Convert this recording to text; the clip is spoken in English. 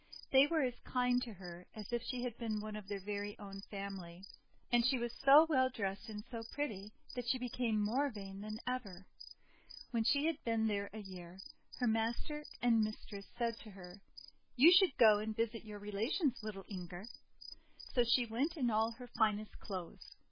They were as kind to her as if she had been one of their own family. And she was so well dressed and so pretty that she became more vain than ever. When she had been there a year, her master GIRL WHO TROD ON A LOAF 405 and mistress said to her, 'You should go and visit your relations, little Inger." So she went in all her finest clothes.